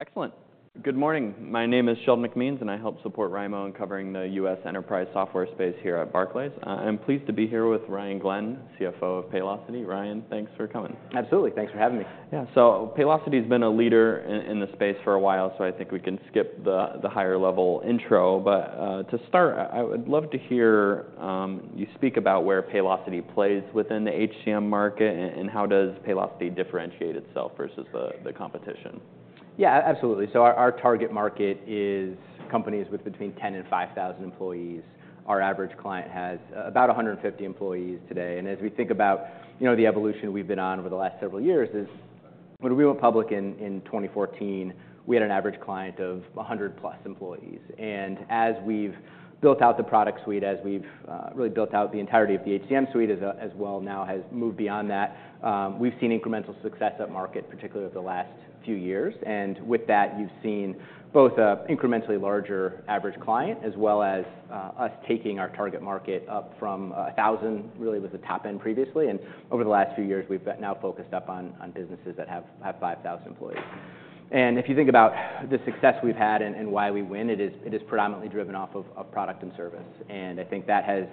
Excellent. Good morning. My name is Sheldon McMeans, and I help support Raimo in covering the U.S. enterprise software space here at Barclays. I'm pleased to be here with Ryan Glenn, CFO of Paylocity. Ryan, thanks for coming. Absolutely. Thanks for having me. Yeah. So Paylocity has been a leader in the space for a while, so I think we can skip the higher-level intro. But to start, I would love to hear you speak about where Paylocity plays within the HCM market and how does Paylocity differentiate itself versus the competition? Yeah, absolutely. So our target market is companies with between 10,000 and 5,000 employees. Our average client has about 150 employees today. And as we think about the evolution we've been on over the last several years, when we went public in 2014, we had an average client of 100-plus employees. And as we've built out the product suite, as we've really built out the entirety of the HCM suite as well now has moved beyond that, we've seen incremental success at market, particularly over the last few years. And with that, you've seen both an incrementally larger average client as well as us taking our target market up from 1,000, really was the top end previously. And over the last few years, we've now focused up on businesses that have 5,000 employees. And if you think about the success we've had and why we win, it is predominantly driven off of product and service. And I think that has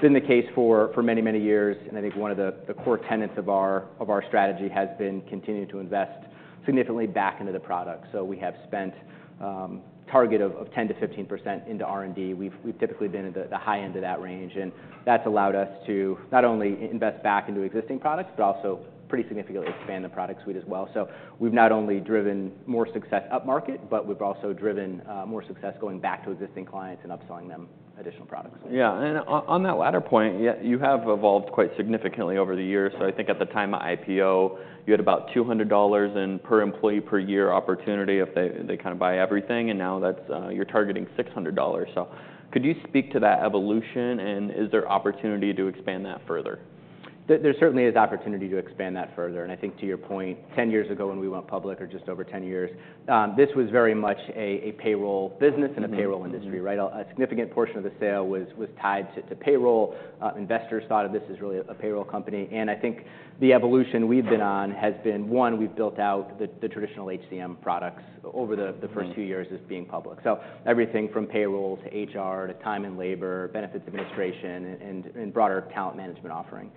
been the case for many, many years. And I think one of the core tenets of our strategy has been continuing to invest significantly back into the product. So we have spent a target of 10%-15% into R&D. We've typically been in the high end of that range. And that's allowed us to not only invest back into existing products, but also pretty significantly expand the product suite as well. So we've not only driven more success up market, but we've also driven more success going back to existing clients and upselling them additional products. Yeah. And on that latter point, you have evolved quite significantly over the years. So I think at the time of IPO, you had about $200 per employee, per-year opportunity if they kind of buy everything. And now you're targeting $600. So could you speak to that evolution, and is there opportunity to expand that further? There certainly is opportunity to expand that further. And I think to your point, 10 years ago when we went public, or just over 10 years, this was very much a payroll business and a payroll industry. A significant portion of the sale was tied to payroll. Investors thought of this as really a payroll company. And I think the evolution we've been on has been, one, we've built out the traditional HCM products over the first few years as being public. So everything from payroll to HR to time and labor, benefits administration, and broader talent management offering.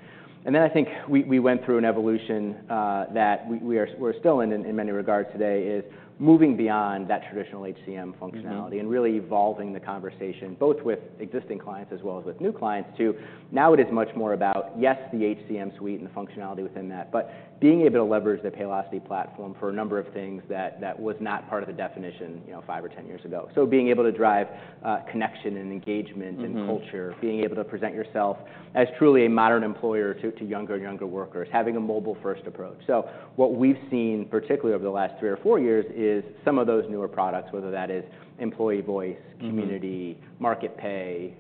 And then I think we went through an evolution that we're still in in many regards today, is moving beyond that traditional HCM functionality and really evolving the conversation both with existing clients as well as with new clients to now it is much more about, yes, the HCM suite and the functionality within that, but being able to leverage the Paylocity platform for a number of things that was not part of the definition five or 10 years ago. So being able to drive connection and engagement and culture, being able to present yourself as truly a modern employer to younger and younger workers, having a mobile-first approach. So what we've seen, particularly over the last three or four years, is some of those newer products, whether that is Employee Voice, Community, Market Pay,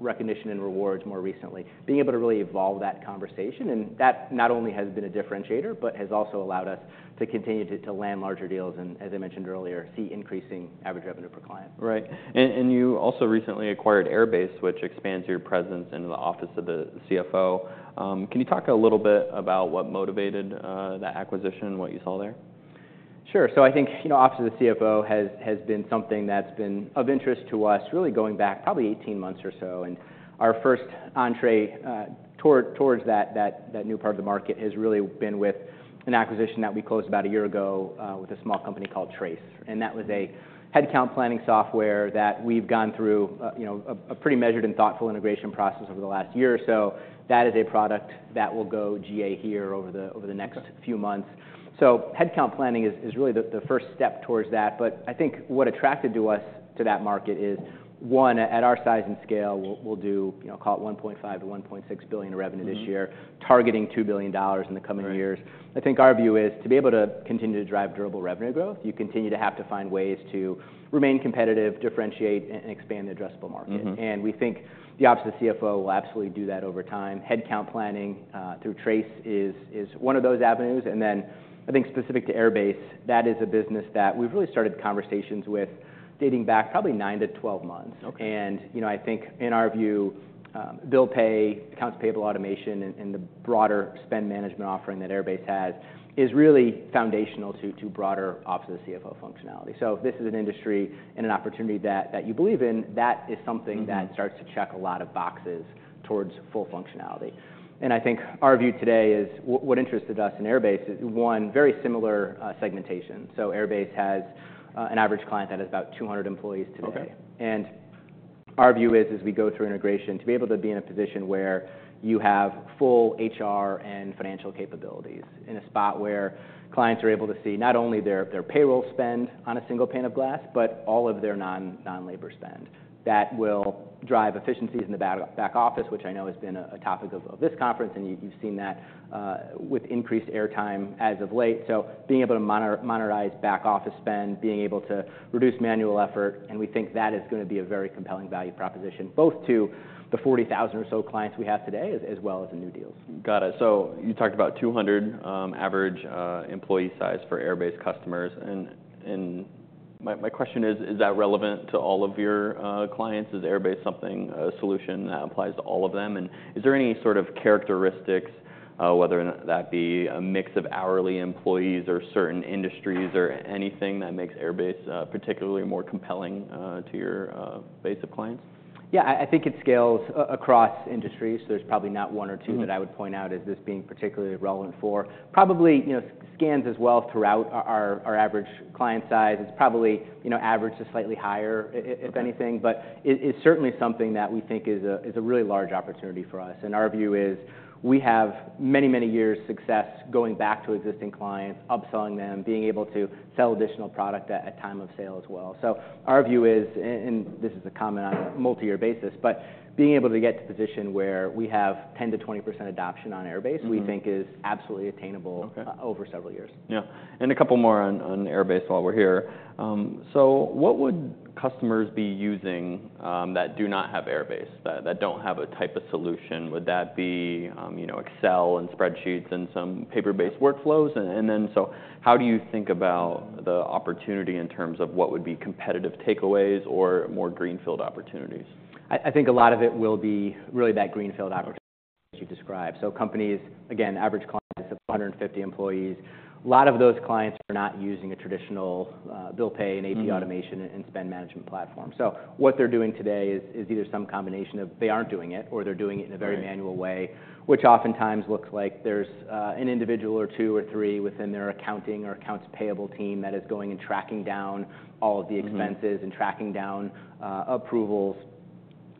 Recognition and Rewards more recently, being able to really evolve that conversation. That not only has been a differentiator, but has also allowed us to continue to land larger deals and, as I mentioned earlier, see increasing average revenue per client. Right. And you also recently acquired Airbase, which expands your presence into the office of the CFO. Can you talk a little bit about what motivated that acquisition, what you saw there? Sure. So I think the office of the CFO has been something that's been of interest to us really going back probably 18 months or so. And our first entree towards that new part of the market has really been with an acquisition that we closed about a year ago with a small company called Trace. And that was a headcount planning software that we've gone through a pretty measured and thoughtful integration process over the last year or so. That is a product that will go GA here over the next few months. So headcount planning is really the first step towards that. But I think what attracted us to that market is, one, at our size and scale, we'll do, call it $1.5 billion-$1.6 billion in revenue this year, targeting $2 billion in the coming years. I think our view is to be able to continue to drive durable revenue growth. You continue to have to find ways to remain competitive, differentiate, and expand the addressable market. And we think the office of the CFO will absolutely do that over time. Headcount planning through Trace is one of those avenues. And then I think specific to Airbase, that is a business that we've really started conversations with dating back probably 9-12 months. And I think in our view, Bill Pay, Accounts Payable Automation, and the broader spend management offering that Airbase has is really foundational to broader office of the CFO functionality. So if this is an industry and an opportunity that you believe in, that is something that starts to check a lot of boxes towards full functionality. I think our view today is what interested us in Airbase is, one, very similar segmentation. So Airbase has an average client that has about 200 employees today. And our view is, as we go through integration, to be able to be in a position where you have full HR and financial capabilities in a spot where clients are able to see not only their payroll spend on a single pane of glass, but all of their non-labor spend. That will drive efficiencies in the back office, which I know has been a topic of this conference. And you've seen that with increased airtime as of late. So being able to monitor, monetize back office spend, being able to reduce manual effort. We think that is going to be a very compelling value proposition both to the 40,000 or so clients we have today as well as the new deals. Got it. You talked about 200 average employee size for Airbase customers. My question is, is that relevant to all of your clients? Is Airbase something, a solution that applies to all of them? Is there any sort of characteristics, whether that be a mix of hourly employees or certain industries or anything that makes Airbase particularly more compelling to your base of clients? Yeah. I think it scales across industries. There's probably not one or two that I would point out as this being particularly relevant for. Probably scans as well throughout our average client size. It's probably average to slightly higher if anything, but it's certainly something that we think is a really large opportunity for us. And our view is we have many, many years' success going back to existing clients, upselling them, being able to sell additional product at time of sale as well. So our view is, and this is a comment on a multi-year basis, but being able to get to a position where we have 10%-20% adoption on Airbase we think is absolutely attainable over several years. Yeah. And a couple more on Airbase while we're here. So what would customers be using that do not have Airbase, that don't have a type of solution? Would that be Excel and spreadsheets and some paper-based workflows? And then so how do you think about the opportunity in terms of what would be competitive takeaways or more greenfield opportunities? I think a lot of it will be really that greenfield opportunity as you describe. So companies, again, average clients of 150 employees, a lot of those clients are not using a traditional Bill Pay and AP automation and spend management platform. So what they're doing today is either some combination of they aren't doing it or they're doing it in a very manual way, which oftentimes looks like there's an individual or two or three within their accounting or accounts payable team that is going and tracking down all of the expenses and tracking down approvals.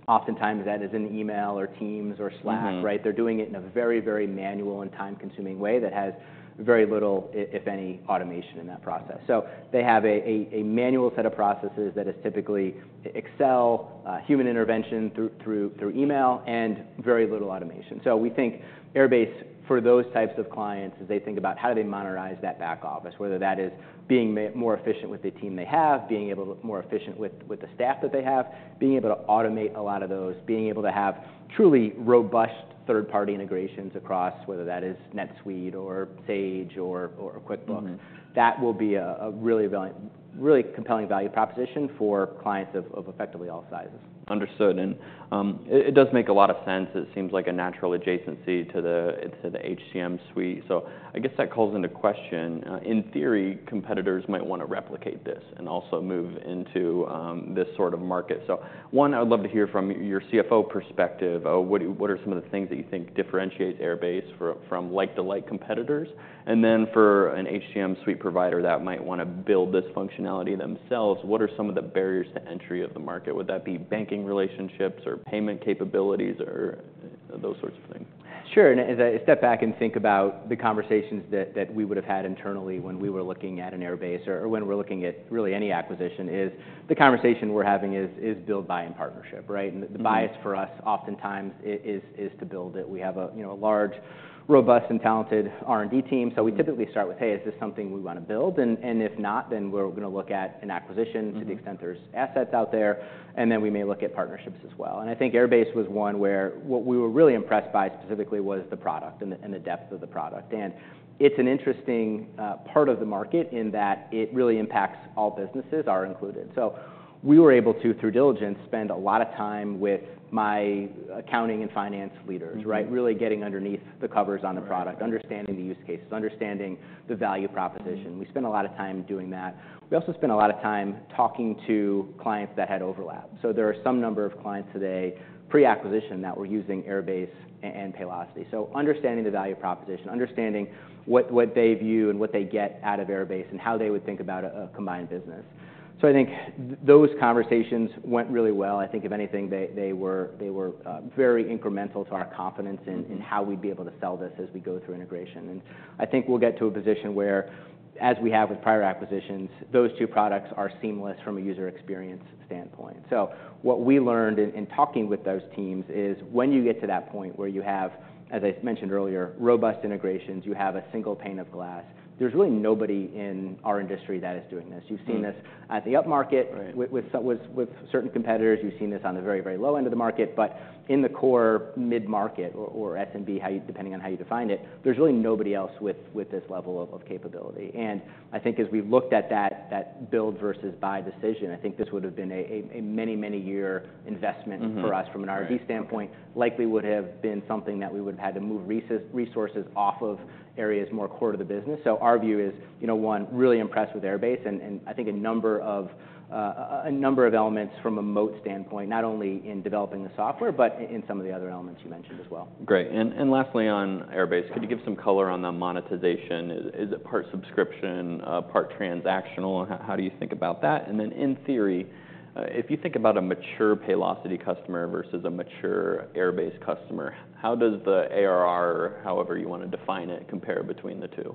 Oftentimes that is an email or Teams or Slack. They're doing it in a very, very manual and time-consuming way that has very little, if any, automation in that process. So they have a manual set of processes that is typically Excel, human intervention through email, and very little automation. We think Airbase for those types of clients as they think about how do they monetize that back office, whether that is being more efficient with the team they have, being able to be more efficient with the staff that they have, being able to automate a lot of those, being able to have truly robust third-party integrations across, whether that is NetSuite or Sage or QuickBooks. That will be a really compelling value proposition for clients of effectively all sizes. Understood. And it does make a lot of sense. It seems like a natural adjacency to the HCM suite. So I guess that calls into question, in theory, competitors might want to replicate this and also move into this sort of market. So one, I would love to hear from your CFO perspective. What are some of the things that you think differentiates Airbase from like-for-like competitors? And then for an HCM suite provider that might want to build this functionality themselves, what are some of the barriers to entry of the market? Would that be banking relationships or payment capabilities or those sorts of things? Sure. And as I step back and think about the conversations that we would have had internally when we were looking at an Airbase or when we're looking at really any acquisition, the conversation we're having is build-buy and partnership. The bias for us oftentimes is to build it. We have a large, robust, and talented R&D team. So we typically start with, hey, is this something we want to build? And if not, then we're going to look at an acquisition to the extent there's assets out there. And then we may look at partnerships as well. And I think Airbase was one where what we were really impressed by specifically was the product and the depth of the product. And it's an interesting part of the market in that it really impacts all businesses, ours included. We were able to, through diligence, spend a lot of time with my accounting and finance leaders, really getting underneath the covers on the product, understanding the use cases, understanding the value proposition. We spent a lot of time doing that. We also spent a lot of time talking to clients that had overlap. So there are some number of clients today pre-acquisition that were using Airbase and Paylocity. So understanding the value proposition, understanding what they view and what they get out of Airbase and how they would think about a combined business. So I think those conversations went really well. I think if anything, they were very incremental to our confidence in how we'd be able to sell this as we go through integration. And I think we'll get to a position where, as we have with prior acquisitions, those two products are seamless from a user experience standpoint. So what we learned in talking with those teams is when you get to that point where you have, as I mentioned earlier, robust integrations, you have a single pane of glass, there's really nobody in our industry that is doing this. You've seen this at the up market with certain competitors. You've seen this on the very, very low end of the market. But in the core mid-market or SMB, depending on how you define it, there's really nobody else with this level of capability. And I think as we've looked at that build versus buy decision, I think this would have been a many, many year investment for us from an R&D standpoint, likely would have been something that we would have had to move resources off of areas more core to the business. So our view is, one, really impressed with Airbase. And I think a number of elements from a moat standpoint, not only in developing the software, but in some of the other elements you mentioned as well. Great. And lastly on Airbase, could you give some color on the monetization? Is it part subscription, part transactional? How do you think about that? And then in theory, if you think about a mature Paylocity customer versus a mature Airbase customer, how does the ARR, however you want to define it, compare between the two?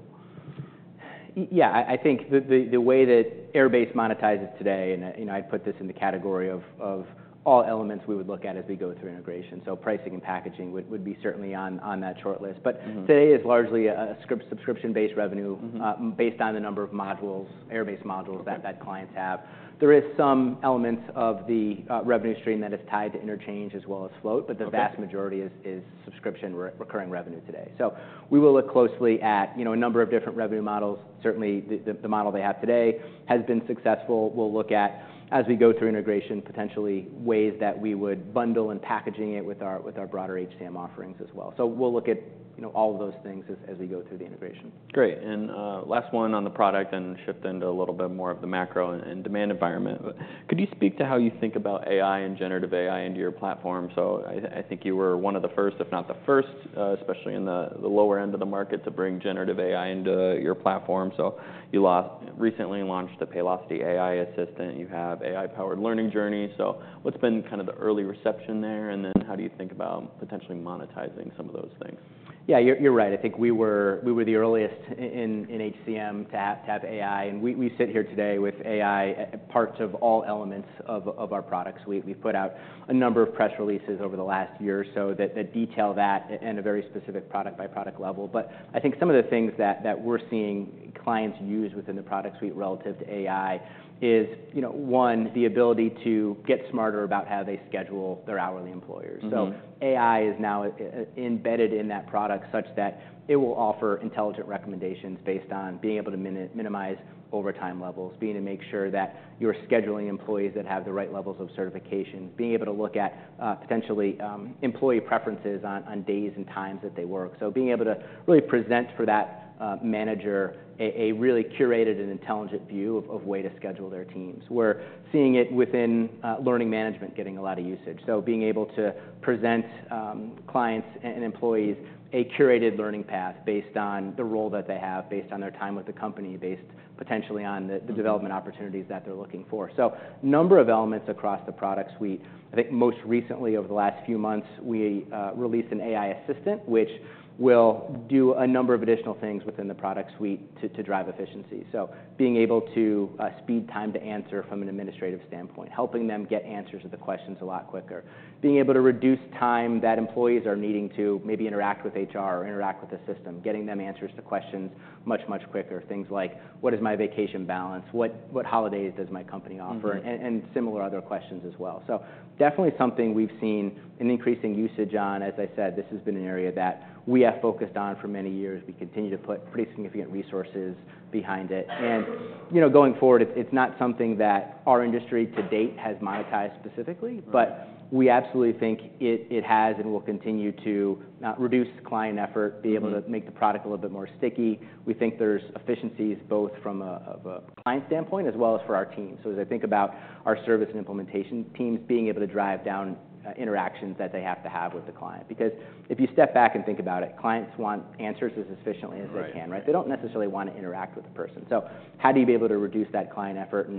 Yeah. I think the way that Airbase monetizes today, and I'd put this in the category of all elements we would look at as we go through integration. So pricing and packaging would be certainly on that shortlist. But today is largely a subscription-based revenue based on the number of Airbase modules that clients have. There are some elements of the revenue stream that is tied to interchange as well as float, but the vast majority is subscription recurring revenue today. So we will look closely at a number of different revenue models. Certainly, the model they have today has been successful. We'll look at, as we go through integration, potentially ways that we would bundle and packaging it with our broader HCM offerings as well. So we'll look at all of those things as we go through the integration. Great. And last one on the product and shift into a little bit more of the macro and demand environment. Could you speak to how you think about AI and generative AI into your platform? So I think you were one of the first, if not the first, especially in the lower end of the market to bring generative AI into your platform. So you recently launched the Paylocity AI Assistant. You have AI-powered learning journey. So what's been kind of the early reception there? And then how do you think about potentially monetizing some of those things? Yeah, you're right. I think we were the earliest in HCM to have AI. And we sit here today with AI parts of all elements of our product suite. We've put out a number of press releases over the last year or so that detail that and a very specific product-by-product level. But I think some of the things that we're seeing clients use within the product suite relative to AI is, one, the ability to get smarter about how they schedule their hourly employees. So AI is now embedded in that product such that it will offer intelligent recommendations based on being able to minimize overtime levels, being able to make sure that you're scheduling employees that have the right levels of certifications, being able to look at potentially employee preferences on days and times that they work. So being able to really present for that manager a really curated and intelligent view of way to schedule their teams. We're seeing it within learning management getting a lot of usage. So being able to present clients and employees a curated learning path based on the role that they have, based on their time with the company, based potentially on the development opportunities that they're looking for. So a number of elements across the product suite. I think most recently, over the last few months, we released an AI assistant, which will do a number of additional things within the product suite to drive efficiency. So being able to speed time to answer from an administrative standpoint, helping them get answers to the questions a lot quicker, being able to reduce time that employees are needing to maybe interact with HR or interact with the system, getting them answers to questions much, much quicker. Things like, what is my vacation balance? What holidays does my company offer? And similar other questions as well. So definitely something we've seen an increasing usage on. As I said, this has been an area that we have focused on for many years. We continue to put pretty significant resources behind it. And going forward, it's not something that our industry to date has monetized specifically, but we absolutely think it has and will continue to reduce client effort, be able to make the product a little bit more sticky. We think there's efficiencies both from a client standpoint as well as for our teams. So as I think about our service and implementation teams being able to drive down interactions that they have to have with the client. Because if you step back and think about it, clients want answers as efficiently as they can. They don't necessarily want to interact with the person. So how do you be able to reduce that client effort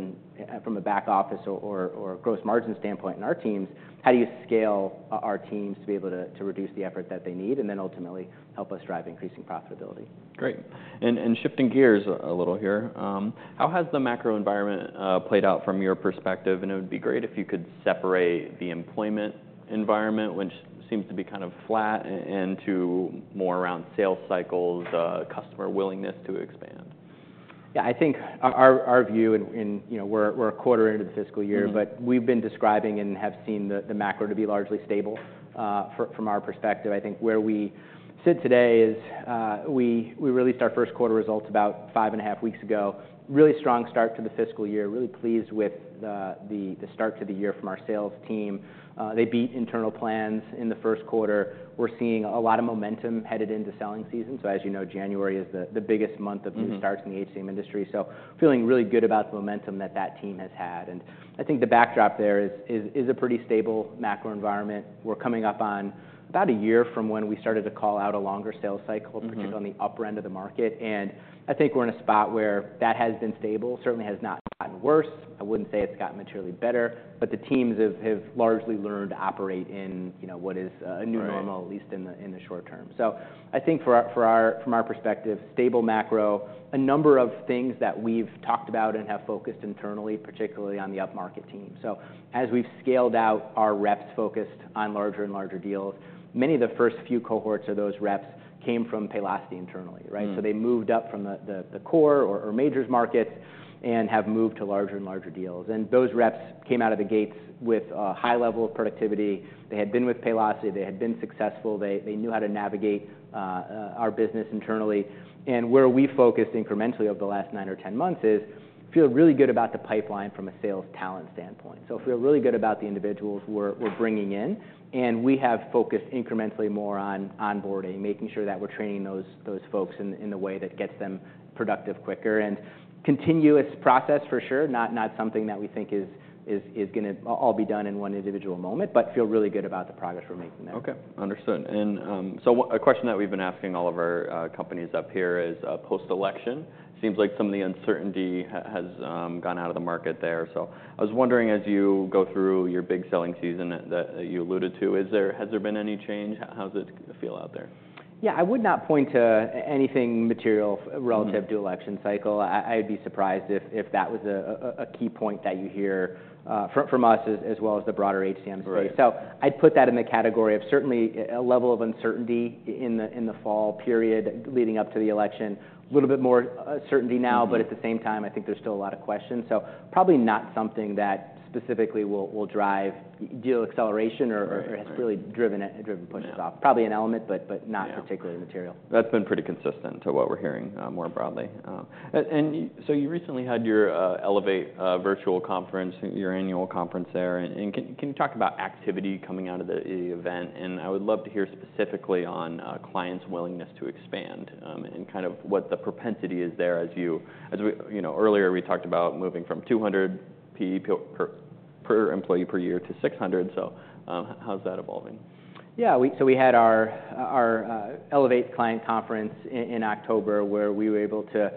from a back office or gross margin standpoint in our teams? How do you scale our teams to be able to reduce the effort that they need and then ultimately help us drive increasing profitability? Great. And shifting gears a little here, how has the macro environment played out from your perspective? And it would be great if you could separate the employment environment, which seems to be kind of flat, into more around sales cycles, customer willingness to expand. Yeah. I think our view, and we're a quarter into the fiscal year, but we've been describing and have seen the macro to be largely stable from our perspective. I think where we sit today is we released our 1st quarter results about five and a half weeks ago. Really strong start to the fiscal year. Really pleased with the start to the year from our sales team. They beat internal plans in the 1st quarter. We're seeing a lot of momentum headed into selling season. So as you know, January is the biggest month of new starts in the HCM industry. So feeling really good about the momentum that that team has had. And I think the backdrop there is a pretty stable macro environment. We're coming up on about a year from when we started to call out a longer sales cycle, particularly on the upper end of the market. And I think we're in a spot where that has been stable. Certainly has not gotten worse. I wouldn't say it's gotten materially better, but the teams have largely learned to operate in what is a new normal, at least in the short term. So I think from our perspective, stable macro, a number of things that we've talked about and have focused internally, particularly on the up market team. So as we've scaled out our reps focused on larger and larger deals, many of the first few cohorts of those reps came from Paylocity internally. So they moved up from the core or majors markets and have moved to larger and larger deals. Those reps came out of the gates with a high level of productivity. They had been with Paylocity. They had been successful. They knew how to navigate our business internally. And where we focused incrementally over the last nine or 10 months is feel really good about the pipeline from a sales talent standpoint. So feel really good about the individuals we're bringing in. And we have focused incrementally more on onboarding, making sure that we're training those folks in the way that gets them productive quicker. And continuous process for sure, not something that we think is going to all be done in one individual moment, but feel really good about the progress we're making there. Okay. Understood. And so a question that we've been asking all of our companies up here is post-election. Seems like some of the uncertainty has gone out of the market there. So I was wondering as you go through your big selling season that you alluded to, has there been any change? How does it feel out there? Yeah. I would not point to anything material relative to election cycle. I'd be surprised if that was a key point that you hear from us as well as the broader HCM space, so I'd put that in the category of certainly a level of uncertainty in the fall period leading up to the election. A little bit more certainty now, but at the same time, I think there's still a lot of questions, so probably not something that specifically will drive deal acceleration or has really driven pushes off. Probably an element, but not particularly material. That's been pretty consistent to what we're hearing more broadly. And so you recently had your Elevate virtual conference, your annual conference there. And can you talk about activity coming out of the event? And I would love to hear specifically on clients' willingness to expand and kind of what the propensity is there as you earlier we talked about moving from 200 per employee per year to 600. So how's that evolving? Yeah. So we had our Elevate client conference in October where we were able to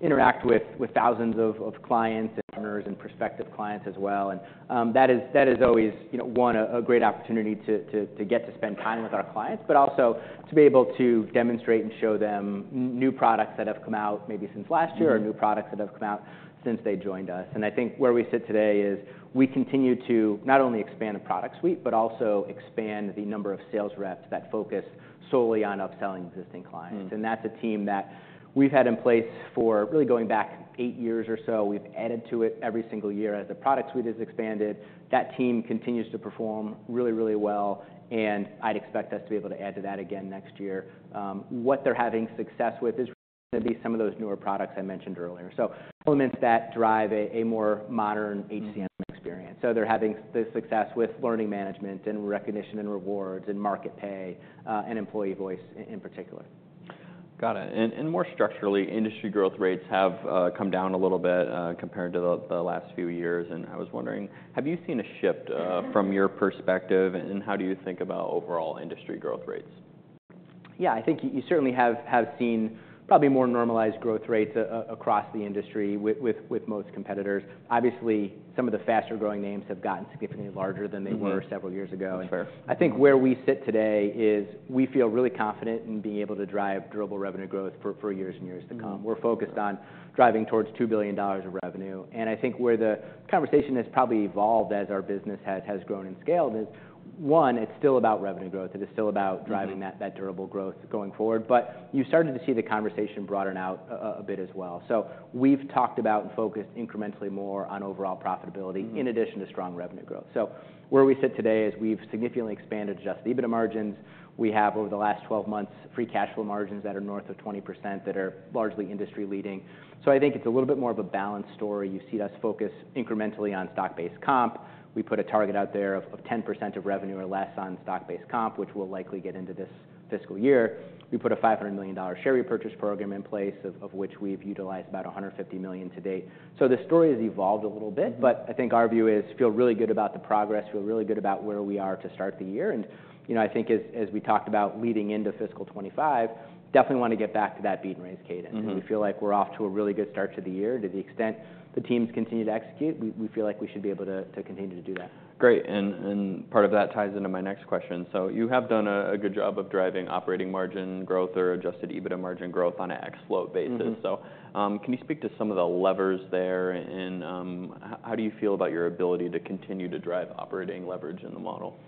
interact with thousands of clients and partners and prospective clients as well. And that has always been a great opportunity to get to spend time with our clients, but also to be able to demonstrate and show them new products that have come out maybe since last year or new products that have come out since they joined us. And I think where we sit today is we continue to not only expand the product suite, but also expand the number of sales reps that focus solely on upselling existing clients. And that's a team that we've had in place for really going back eight years or so. We've added to it every single year as the product suite has expanded. That team continues to perform really, really well. I'd expect us to be able to add to that again next year. What they're having success with is going to be some of those newer products I mentioned earlier. Elements that drive a more modern HCM experience. They're having the success with learning management and Recognition and Rewards and Market Pay and Employee Voice in particular. Got it. And more structurally, industry growth rates have come down a little bit compared to the last few years. And I was wondering, have you seen a shift from your perspective? And how do you think about overall industry growth rates? Yeah. I think you certainly have seen probably more normalized growth rates across the industry with most competitors. Obviously, some of the faster growing names have gotten significantly larger than they were several years ago. I think where we sit today is we feel really confident in being able to drive durable revenue growth for years and years to come. We're focused on driving towards $2 billion of revenue. And I think where the conversation has probably evolved as our business has grown and scaled is, one, it's still about revenue growth. It is still about driving that durable growth going forward. But you've started to see the conversation broaden out a bit as well. So we've talked about and focused incrementally more on overall profitability in addition to strong revenue growth. So where we sit today is we've significantly expanded just EBITDA margins. We have, over the last 12 months, free cash flow margins that are north of 20% that are largely industry leading. So I think it's a little bit more of a balanced story. You've seen us focus incrementally on stock-based comp. We put a target out there of 10% of revenue or less on stock-based comp, which we'll likely get into this fiscal year. We put a $500 million share repurchase program in place, of which we've utilized about $150 million to date. So the story has evolved a little bit, but I think our view is feel really good about the progress, feel really good about where we are to start the year, and I think as we talked about leading into fiscal 2025, definitely want to get back to that beat and raise cadence. We feel like we're off to a really good start to the year to the extent the teams continue to execute. We feel like we should be able to continue to do that. Great. And part of that ties into my next question. So you have done a good job of driving operating margin growth or Adjusted EBITDA margin growth on an ex-float basis. So can you speak to some of the levers there? And how do you feel about your ability to continue to drive operating leverage in the model?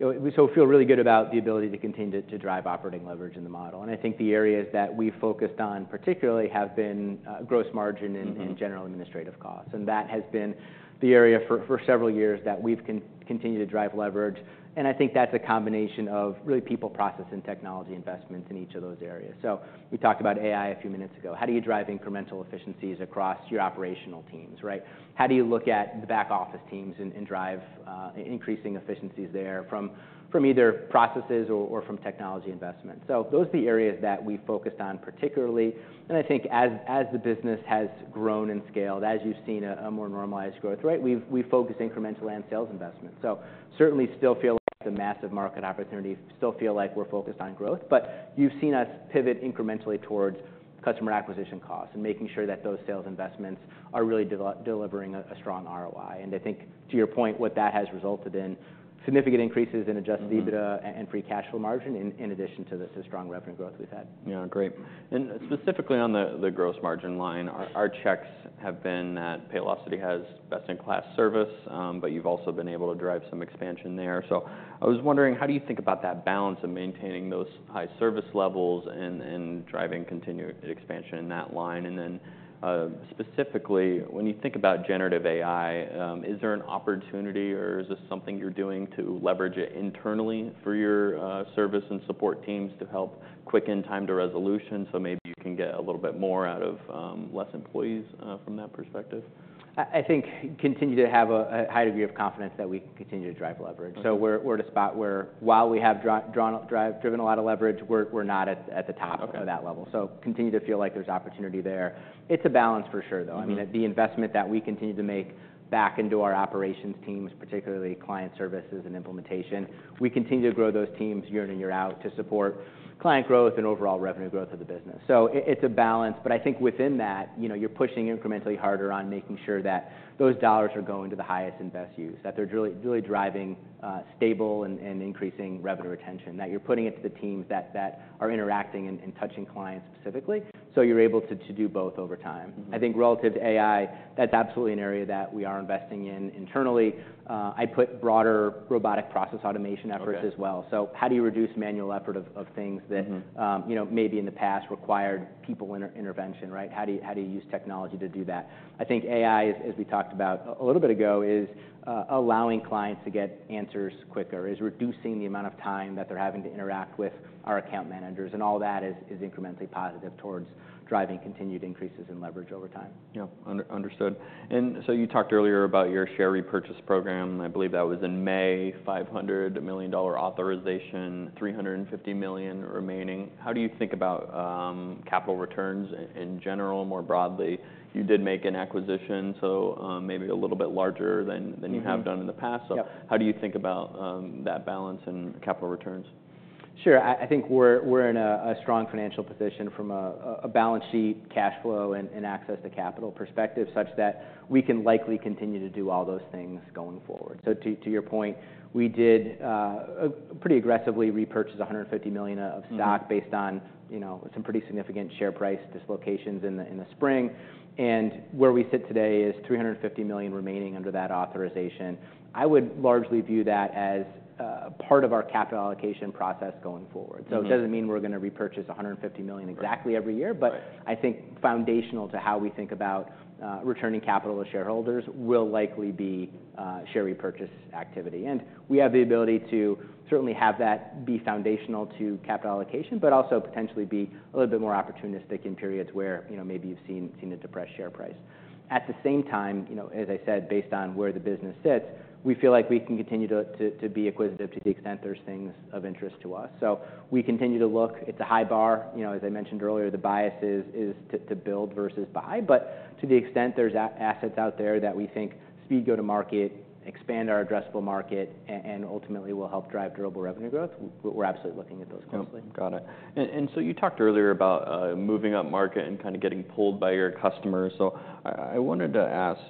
So we feel really good about the ability to continue to drive operating leverage in the model. And I think the areas that we focused on particularly have been gross margin and general administrative costs. And that has been the area for several years that we've continued to drive leverage. And I think that's a combination of really people, process, and technology investments in each of those areas. So we talked about AI a few minutes ago. How do you drive incremental efficiencies across your operational teams? How do you look at the back office teams and drive increasing efficiencies there from either processes or from technology investments? So those are the areas that we focused on particularly. And I think as the business has grown and scaled, as you've seen a more normalized growth, we've focused incrementally on sales investments. So certainly still feel like it's a massive market opportunity, still feel like we're focused on growth. But you've seen us pivot incrementally towards customer acquisition costs and making sure that those sales investments are really delivering a strong ROI. And I think to your point, what that has resulted in significant increases in Adjusted EBITDA and Free Cash Flow margin in addition to the strong revenue growth we've had. Yeah. Great. And specifically on the gross margin line, our checks have been that Paylocity has best-in-class service, but you've also been able to drive some expansion there. So I was wondering, how do you think about that balance of maintaining those high service levels and driving continued expansion in that line? And then specifically, when you think about generative AI, is there an opportunity or is this something you're doing to leverage it internally for your service and support teams to help quicken time to resolution so maybe you can get a little bit more out of less employees from that perspective? I think continue to have a high degree of confidence that we can continue to drive leverage. So we're at a spot where while we have driven a lot of leverage, we're not at the top of that level. So continue to feel like there's opportunity there. It's a balance for sure, though. I mean, the investment that we continue to make back into our operations teams, particularly client services and implementation, we continue to grow those teams year in and year out to support client growth and overall revenue growth of the business. So it's a balance. But I think within that, you're pushing incrementally harder on making sure that those dollars are going to the highest and best use, that they're really driving stable and increasing revenue retention, that you're putting it to the teams that are interacting and touching clients specifically. So you're able to do both over time. I think relative to AI, that's absolutely an area that we are investing in internally. I put broader robotic process automation efforts as well. So how do you reduce manual effort of things that maybe in the past required people intervention? How do you use technology to do that? I think AI, as we talked about a little bit ago, is allowing clients to get answers quicker, is reducing the amount of time that they're having to interact with our account managers. And all that is incrementally positive towards driving continued increases in leverage over time. Yeah. Understood. And so you talked earlier about your share repurchase program. I believe that was in May, $500 million authorization, $350 million remaining. How do you think about capital returns in general more broadly? You did make an acquisition, so maybe a little bit larger than you have done in the past. So how do you think about that balance and capital returns? Sure. I think we're in a strong financial position from a balance sheet, cash flow, and access to capital perspective such that we can likely continue to do all those things going forward. So to your point, we did pretty aggressively repurchase $150 million of stock based on some pretty significant share price dislocations in the spring. And where we sit today is $350 million remaining under that authorization. I would largely view that as part of our capital allocation process going forward. So it doesn't mean we're going to repurchase $150 million exactly every year, but I think foundational to how we think about returning capital to shareholders will likely be share repurchase activity. And we have the ability to certainly have that be foundational to capital allocation, but also potentially be a little bit more opportunistic in periods where maybe you've seen a depressed share price. At the same time, as I said, based on where the business sits, we feel like we can continue to be acquisitive to the extent there's things of interest to us. So we continue to look. It's a high bar. As I mentioned earlier, the bias is to build versus buy. But to the extent there's assets out there that we think speed go-to-market, expand our addressable market, and ultimately will help drive durable revenue growth, we're absolutely looking at those closely. Got it. And so you talked earlier about moving up market and kind of getting pulled by your customers. So I wanted to ask,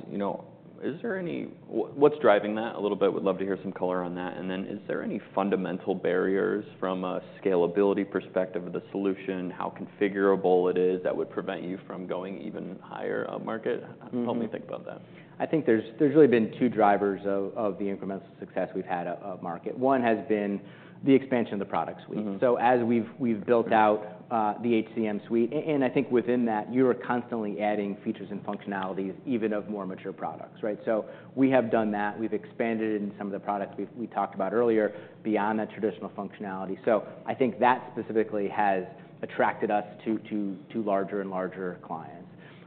is there any, what's driving that a little bit? Would love to hear some color on that. And then is there any fundamental barriers from a scalability perspective of the solution, how configurable it is, that would prevent you from going even higher up market? Help me think about that. I think there's really been two drivers of the incremental success we've had up market. One has been the expansion of the product suite. So as we've built out the HCM suite, and I think within that, you're constantly adding features and functionalities even of more mature products. So we have done that. We've expanded in some of the products we talked about earlier beyond that traditional functionality. So I think that specifically has attracted us to larger and larger clients.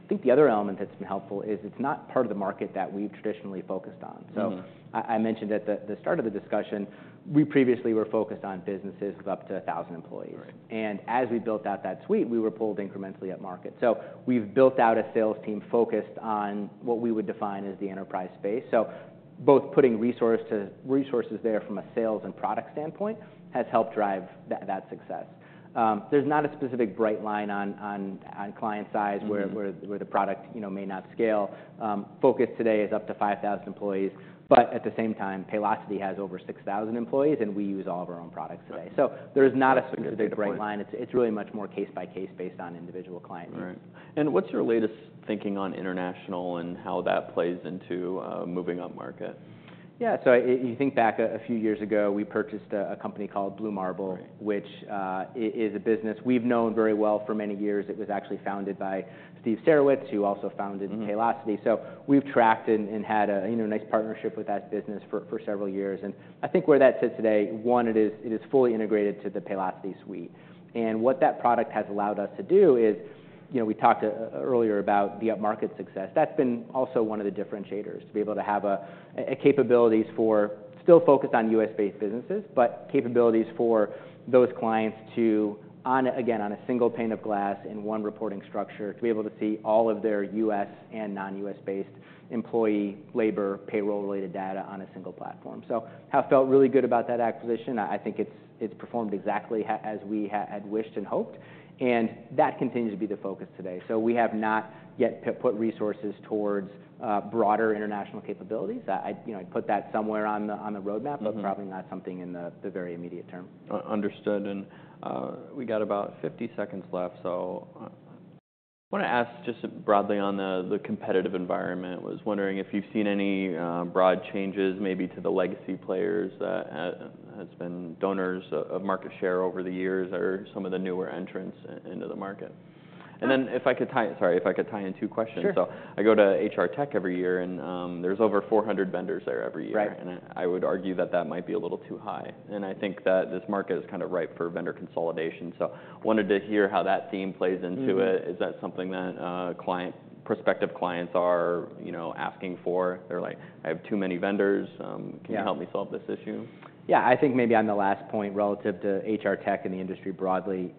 I think the other element that's been helpful is it's not part of the market that we've traditionally focused on. So I mentioned at the start of the discussion, we previously were focused on businesses with up to 1,000 employees, and as we built out that suite, we were pulled incrementally up market. So we've built out a sales team focused on what we would define as the enterprise space. So both putting resources there from a sales and product standpoint has helped drive that success. There's not a specific bright line on client size where the product may not scale. Focus today is up to 5,000 employees. But at the same time, Paylocity has over 6,000 employees, and we use all of our own products today. So there is not a specific bright line. It's really much more case by case based on individual client needs. Right. And what's your latest thinking on international and how that plays into moving up market? Yeah. So you think back a few years ago, we purchased a company called Blue Marble, which is a business we've known very well for many years. It was actually founded by Steve Sarowitz, who also founded Paylocity. So we've tracked and had a nice partnership with that business for several years. And I think where that sits today, one, it is fully integrated to the Paylocity suite. And what that product has allowed us to do is we talked earlier about the upmarket success. That's been also one of the differentiators to be able to have capabilities for still focused on U.S.-based businesses, but capabilities for those clients to, again, on a single pane of glass in one reporting structure, to be able to see all of their U.S. and non-U.S.-based employee labor payroll-related data on a single platform. So I felt really good about that acquisition. I think it's performed exactly as we had wished and hoped, and that continues to be the focus today, so we have not yet put resources towards broader international capabilities. I'd put that somewhere on the roadmap, but probably not something in the very immediate term. Understood. And we got about 50 seconds left. So I want to ask just broadly on the competitive environment. I was wondering if you've seen any broad changes maybe to the legacy players that have been donors of market share over the years or some of the newer entrants into the market. And then if I could tie sorry, if I could tie in two questions. So I go to HR Tech every year, and there's over 400 vendors there every year. And I would argue that that might be a little too high. And I think that this market is kind of ripe for vendor consolidation. So I wanted to hear how that theme plays into it. Is that something that prospective clients are asking for? They're like, "I have too many vendors. Can you help me solve this issue? Yeah. I think maybe on the last point relative to HR Tech and the industry broadly,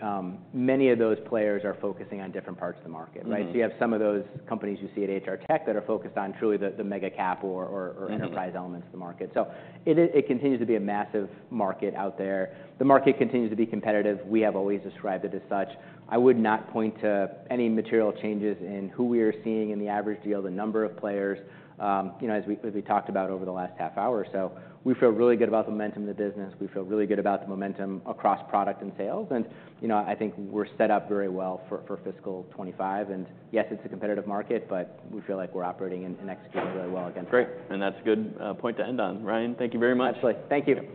many of those players are focusing on different parts of the market, so you have some of those companies you see at HR Tech that are focused on truly the mega cap or enterprise elements of the market, so it continues to be a massive market out there. The market continues to be competitive. We have always described it as such. I would not point to any material changes in who we are seeing in the average deal, the number of players as we talked about over the last half hour or so. We feel really good about the momentum of the business. We feel really good about the momentum across product and sales, and I think we're set up very well for fiscal 2025. Yes, it's a competitive market, but we feel like we're operating and executing really well against it. Great. And that's a good point to end on. Ryan, thank you very much. Absolutely. Thank you.